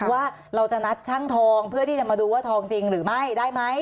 ว่าเราจะนัดช่างทองเพื่อที่จะมาดูว่าทองจริงหรือไม่ได้ไหม